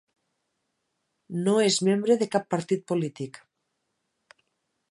No és membre de cap partit polític.